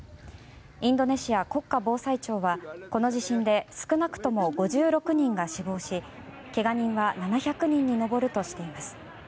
インドネシア国家防災庁はこの地震で少なくとも５６人が死亡しけが人は７００人に上るとしています。